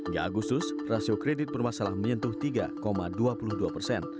hingga agustus rasio kredit bermasalah menyentuh tiga dua puluh dua persen